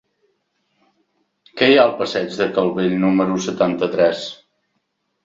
Què hi ha al passeig de Calvell número setanta-tres?